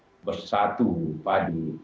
kita harus bersatu padu